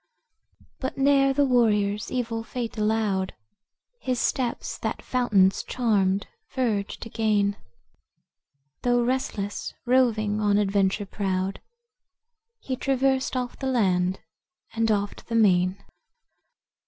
'But ne'er the warrior's evil fate allowed His steps that fountain's charmed verge to gain. Though restless, roving on adventure proud, He traversed oft the land and oft the main."